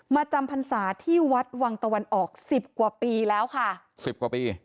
จำพรรษาที่วัดวังตะวันออกสิบกว่าปีแล้วค่ะสิบกว่าปี